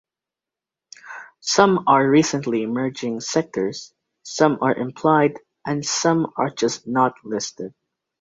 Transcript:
Some are recently emerging sectors, some are implied and some are just not listed.